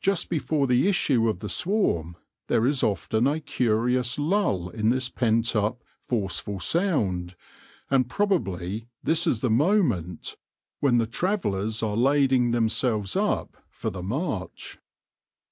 Just before the issue of the swarm there is often a curious lull in this pent up, forceful sound, and probably this is the moment when the travellers are lading themselves up for the ijo THE LORE OF THE HONEY BEE march.